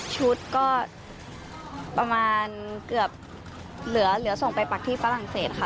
ชุดก็ประมาณเกือบเหลือส่งไปปักที่ฝรั่งเศสค่ะ